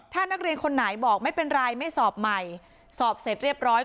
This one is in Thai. ถ้านักเรียนคนไหนบอกไม่เป็นไรไม่สอบใหม่สอบเสร็จเรียบร้อย